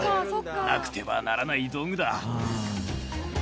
なくてはならない道具だ。